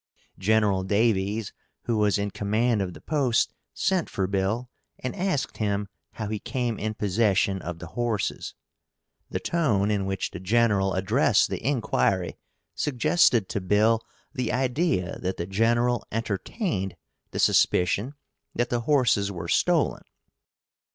Gen. Daviess, who was in command of the post, sent for Bill and asked him how he came in possession of the horses. The tone in which the General addressed the inquiry suggested to Bill the idea that the General entertained the suspicion that the horses were stolen.